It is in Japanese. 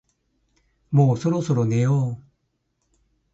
もうそろそろ寝よう